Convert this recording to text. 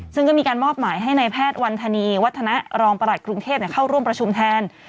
ซึ่งก็มีการมอบหมายให้นายแพทย์วันธนีวัฒนะรองประหลัดกรุงเทพเข้าร่วมประชุมแทน